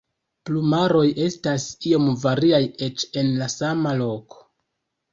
Plumaroj estas iom variaj eĉ en la sama loko.